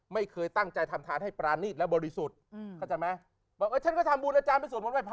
ไม่เคยตั้งใจทำทานให้เบาดีและบริสุทธิ์ฉันก็ทำบุญอาจารย์เป็นส่วนหมด